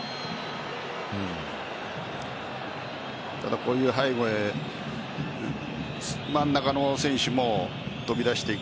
こういう背後へ真ん中の選手も飛び出していく。